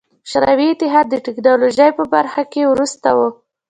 شوروي اتحاد د ټکنالوژۍ په برخه کې وروسته و.